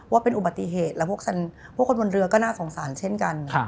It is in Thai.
ว่าเป็นอุบัติเหตุแล้วพวกคนบนเรือก็น่าสงสารเช่นกัน